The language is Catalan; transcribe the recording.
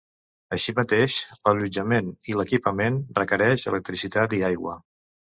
Així mateix, l'allotjament i l'equipament requereix electricitat i aigua.